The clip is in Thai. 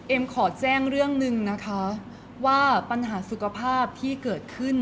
ขอแจ้งเรื่องหนึ่งนะคะว่าปัญหาสุขภาพที่เกิดขึ้น